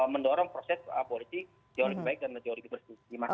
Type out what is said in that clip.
mendorong proses aborisi teori baik dan teori bersih